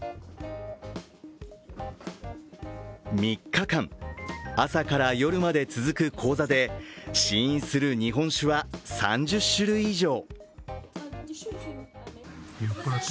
３日間、朝から夜まで続く講座で試飲する日本酒は３０種類以上。